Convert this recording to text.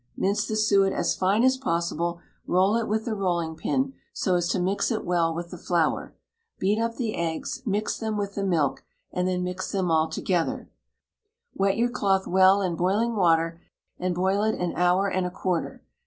Mince the suet as fine as possible; roll it with the rolling pin, so as to mix it well with the flour; beat up the eggs, mix them with the milk, and then mix them all together; wet your cloth well in boiling water, and boil it an hour and a quarter.